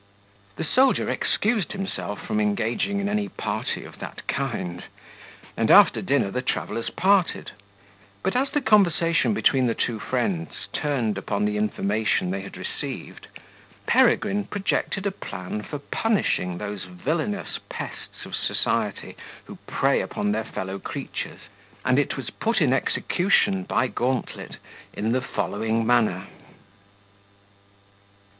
The soldier excused himself from engaging in any party of that kind, and after dinner the travellers parted; but, as the conversation between the two friends turned upon the information they had received, Peregrine projected a plan for punishing those villainous pests of society, who prey upon their fellow creatures; and it was put in execution by Gauntlet in the following manner.